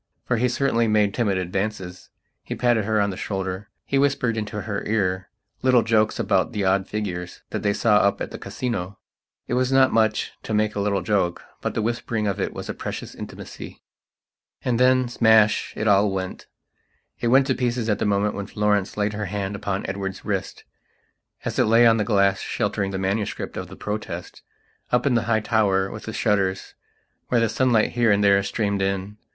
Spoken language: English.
For he certainly made timid advances. He patted her on the shoulder; he whispered into her ear little jokes about the odd figures that they saw up at the Casino. It was not much to make a little jokebut the whispering of it was a precious intimacy.... And thensmashit all went. It went to pieces at the moment when Florence laid her hand upon Edward's wrist, as it lay on the glass sheltering the manuscript of the Protest, up in the high tower with the shutters where the sunlight here and there streamed in.